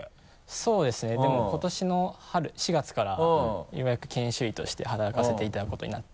そうですねでもう今年の春４月からようやく研修医として働かせていただくことになって。